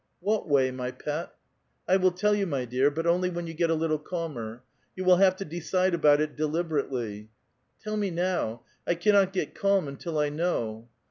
*' What way, my pet [iniluf] ?"" 1 will toll you, my dear ; but only when you get a little calmer. You will have to decide about it deliberately." '* Tell me now ! 1 cannot get calm until 1 know."